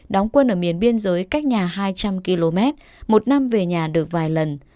đóng quân ở miền biên giới cách nhà hai trăm linh km một năm về nhà được vài lần